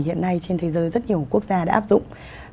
hiện nay trên thế giới rất nhiều quốc gia đã áp dụng